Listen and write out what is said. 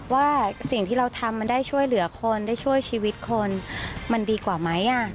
ว่าสิ่งที่เราทำมันได้ช่วยเหลือคนได้ช่วยชีวิตคนมันดีกว่าไหม